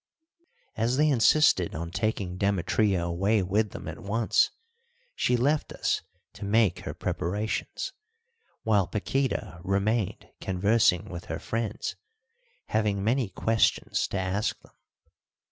As they insisted on taking Demetria away with them at once, she left us to make her preparations, while Paquíta remained conversing with her friends, having many questions to ask them.